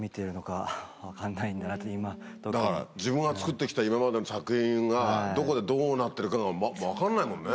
だから自分が作って来た今までの作品がどこでどうなってるかが分かんないもんね。